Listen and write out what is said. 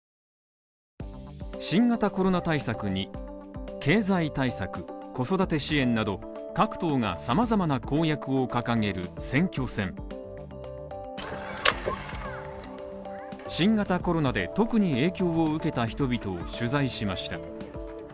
新型コロナ対策に経済対策、子育て支援など各党が様々な公約を掲げる選挙戦新型コロナで特に影響を受けた人々を取材しました。